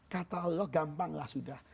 kata allah gampang lah sudah